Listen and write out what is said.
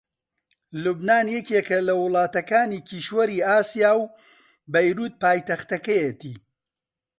لوبنان یەکێکە لە وڵاتەکانی کیشوەری ئاسیا و بەیرووت پایتەختەکەیەتی